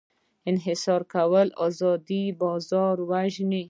انحصار کول ازاد بازار وژني.